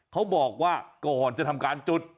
เขาบอกว่าก่อนจะทำการจุด